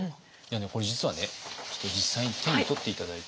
これ実はねちょっと実際に手に取って頂いて。